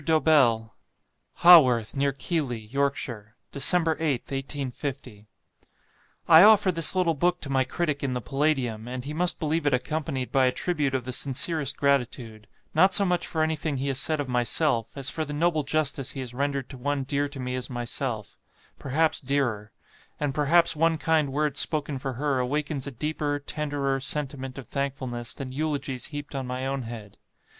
DOBELL. "Haworth, near Keighley, Yorkshire, "Dec. 8th, 1850. "I offer this little book to my critic in the 'Palladium,' and he must believe it accompanied by a tribute of the sincerest gratitude; not so much for anything he has said of myself, as for the noble justice he has rendered to one dear to me as myself perhaps dearer; and perhaps one kind word spoken for her awakens a deeper, tenderer, sentiment of thankfulness than eulogies heaped on my own head.